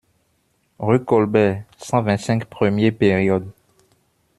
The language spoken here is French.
Rue Colbert, cent vingt-cinq premier période.